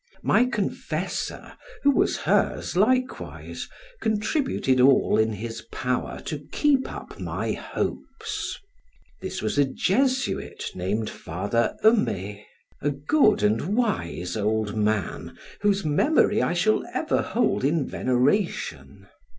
My confessor, who was hers likewise, contributed all in his power to keep up my hopes. This was a Jesuit, named Father Hemet; a good and wise old man, whose memory I shall ever hold in veneration.